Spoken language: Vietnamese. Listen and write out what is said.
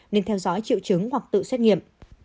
nên theo dõi triệu chứng hoặc tự xét nghiệm